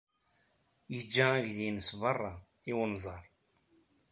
Yeǧǧa aydi-nnes beṛṛa, i unẓar.